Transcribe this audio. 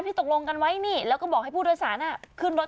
ตกลงกันไว้นี่แล้วก็บอกให้ผู้โดยสารขึ้นรถ